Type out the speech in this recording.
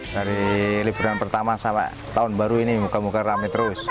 dari liburan pertama sampai tahun baru ini moga moga rame terus